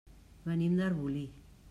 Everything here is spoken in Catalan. Venim d'Arbolí.